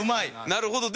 なるほど。